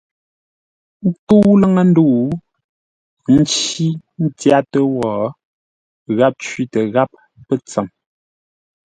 Nkə́u laŋə́-ndə̂u ə́ ncí tyátə́ wó, gháp cwítə gháp pə́tsəm.